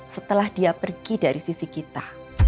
setelah dia pergi dari sisi kita